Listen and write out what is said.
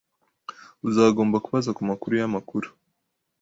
Uzagomba kubaza kumakuru yamakuru